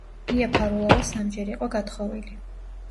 ია ფარულავა სამჯერ იყო გათხოვილი.